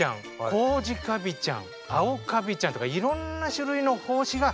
コウジカビちゃんアオカビちゃんとかいろんな種類の胞子が飛んでるんだよね。